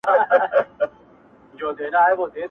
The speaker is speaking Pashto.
هغه غوټه په غاښو ورڅخه پرې کړه!.